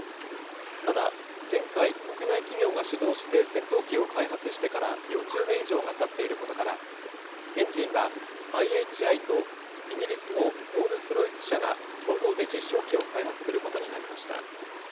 ただ、前回、国内企業が主導して戦闘機を開発してから４０年以上がたっていることから、エンジンはＩＨＩとイギリスのロールス・ロイス社が共同で実証機を開発することになりました。